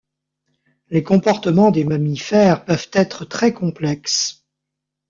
Les comportements des mammifères peuvent être très complexes.